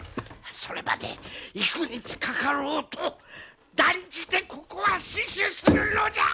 それまで幾日かかろうと断じてここは死守するのじゃ！